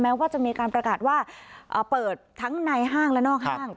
ว่าจะมีการประกาศว่าเปิดทั้งในห้างและนอกห้าง